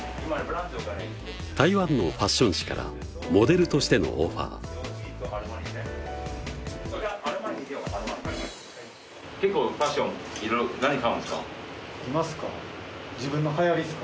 台湾のファッション誌からモデルとしてのオファー今すか？